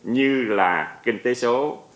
như là kinh tế số